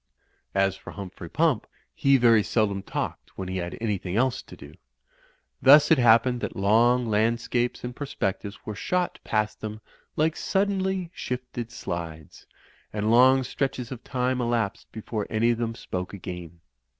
As for Humphrey Pump, he very seldom talked when he had anything else to do. Thus it happened that long landscapes and perspectives were shot past them like suddenly shifted slides, and lc«ig stretches of time elapsed before any of them spoke again.